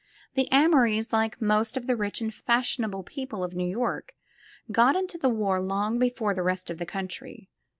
The Amorys, like most of the rich and fashionable people of New York, got into the war long before the rest of the country.